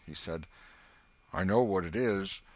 He said: "I know what it is.